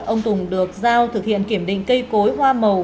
ông tùng được giao thực hiện kiểm định cây cối hoa màu